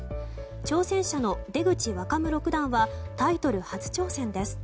挑戦者の出口若武六段はタイトル初挑戦です。